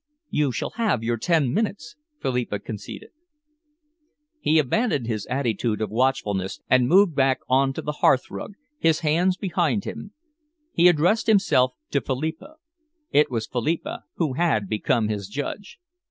"You shall have your ten minutes," Philippa conceded. He abandoned his attitude of watchfulness and moved back on to the hearth rug, his hands behind him. He addressed himself to Philippa. It was Philippa who had become his judge.